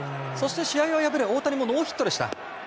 試合は敗れ大谷もノーヒットでした。